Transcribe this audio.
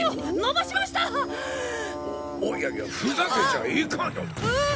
いやいやふざけちゃいかんよ。